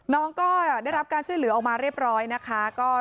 น้องก็ได้รับการช่วยเหลือออกมาเรียบร้อยว่ามี๑หรืออะ